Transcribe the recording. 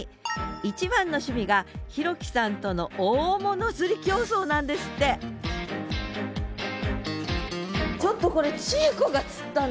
一番の趣味が弘樹さんとの大物釣り競争なんですってちょっとこれ智恵子が釣ったの？